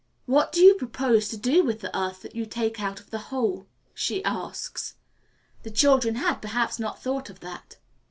"What do you propose to do with the earth that you take out of the hole?" she asks. The children had, perhaps, not thought of that.